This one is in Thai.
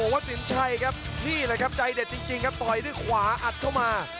วัดสินชัยครับนี่แหละครับใจเด็ดจริงครับต่อยด้วยขวาอัดเข้ามา